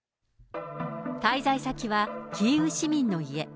滞在先はキーウ市民の家。